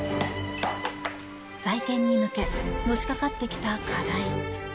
再建に向けのしかかってきた課題。